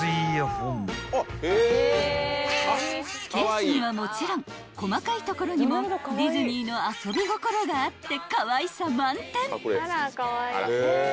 ［ケースにはもちろん細かいところにもディズニーの遊び心があってかわいさ満点］